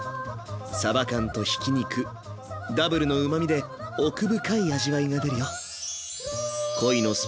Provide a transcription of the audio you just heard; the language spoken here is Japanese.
さば缶とひき肉ダブルのうまみで奥深い味わいが出るよ。